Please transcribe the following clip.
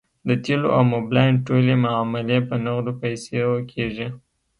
د تیلو او موبلاین ټولې معاملې په نغدو پیسو کیږي